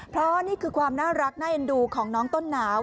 เพราะนี่คือความน่ารักน่าเอ็นดูของน้องต้นหนาว